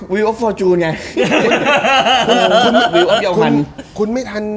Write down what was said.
วิวอัพฟอร์จูนไง